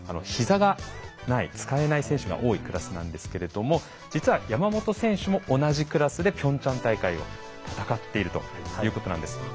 ひざがない使えない選手が多いクラスなんですけれども実は山本選手も同じクラスでピョンチャン大会を戦っているということなんです。